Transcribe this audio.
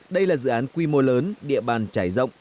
đây là dự án quy mô lớn địa bàn trải rộng